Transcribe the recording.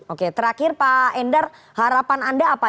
oke terakhir pak endar harapan anda apa